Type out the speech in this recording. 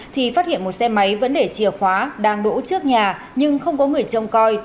thì phát hiện một xe máy vẫn để chìa khóa đang đỗ trước nhà nhưng không có người trông coi